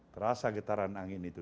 terasa getaran angin itu